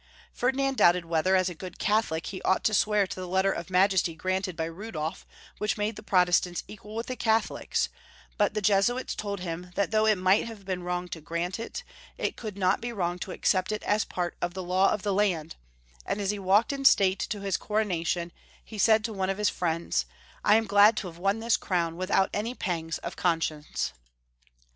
Ferdinand doubted whether, as a good Catholic, he ought to swear to the Letter of Majesty granted by Rudolf, which made the Protestants equal with the Catholics, but the Jesuits told him that though it might have been wrong to grant it, it could not 324 Young Folhs^ History of Q ermany. be wrong to accept it as part of the law of the land, and as he walked in state to his coronation, he said to one of his fiiends, "I am glad to have won this crown without any pangs of conscience."